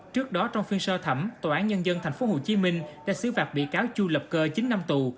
trước đó trong phiên sơ thẩm tòa án nhân dân tp hcm đã xứ vạc bị cáo chu lập cơ chín năm tù